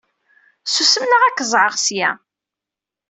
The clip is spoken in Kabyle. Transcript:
Susem neɣ ad k-ẓẓɛeɣ seg-a.